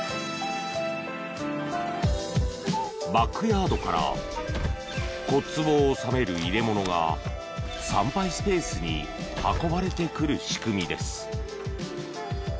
バックヤードから骨つぼを納める入れ物が参拝スペースに運ばれてくる仕組みです。